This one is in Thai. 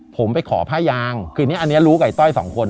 ผมไปขอผ้ายางคือนี้อันนี้รู้กับไอ้ต้อยสองคน